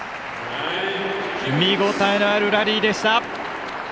見応えのあるラリーでした。